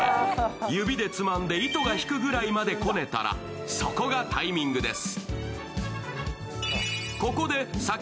指でつまんで糸が引くぐらいまでこねたらそこがタイミングです。